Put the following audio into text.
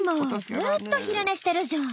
ずっと昼寝してるじゃん。